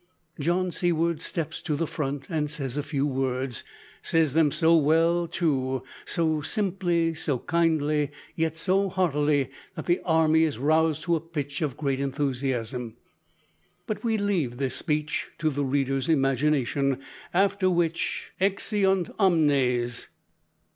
John Seaward steps to the front, and says a few words says them so well, too, so simply, so kindly, yet so heartily, that the army is roused to a pitch of great enthusiasm; but we leave this speech to the reader's imagination: after which Exeunt Omnes.